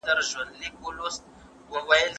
د موضوع د تحلیل لپاره باید منلي دلایل ولرئ.